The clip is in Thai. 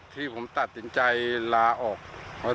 ที่ผมตัดตินใจแล้วว่า